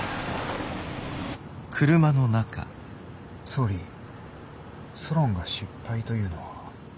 総理ソロンが失敗というのは。